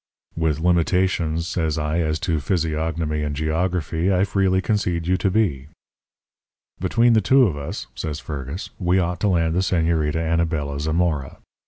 "'With limitations,' says I, 'as to physiognomy and geography, I freely concede you to be.' "'Between the two of us,' says Fergus, 'we ought to land the Señorita Anabela Zamora.